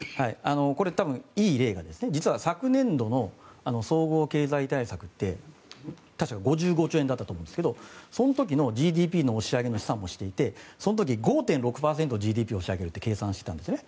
これ多分、いい例が実は昨年度の総合経済対策で確か５５兆円だったと思うんですけどその時のＧＤＰの押し上げの試算もしていてその時、５．６％ＧＤＰを押し上げるって計算していたんですね。